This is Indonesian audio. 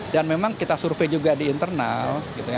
dan memang kita survei juga di internal